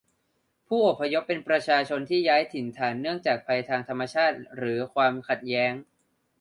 ผู้อพยพเป็นประชาชนที่ย้ายถิ่นฐานเนื่องจากภัยทางธรรมชาติหรือความขัดแย้ง